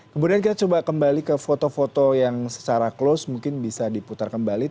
kemudian kita coba kembali ke foto foto yang secara close mungkin bisa diputar kembali